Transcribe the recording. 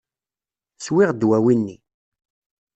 Swiɣ ddwawi-nni.